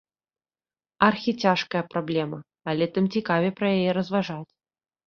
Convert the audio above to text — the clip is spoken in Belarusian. Архіцяжкая праблема, але тым цікавей пра яе разважаць.